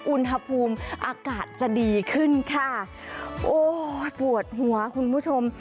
อุณหภูมิอากาศจะดีขึ้นค่ะโอ้ปวดหัวคุณผู้ชม